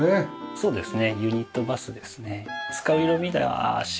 そうですね。